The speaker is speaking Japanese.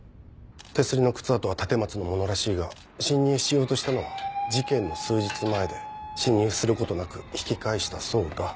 手すりの靴跡は立松のものらしいが侵入しようとしたのは事件の数日前で侵入することなく引き返したそうだ。